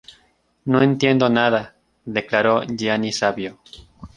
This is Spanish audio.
No entiendo nada"", declaró Gianni Savio.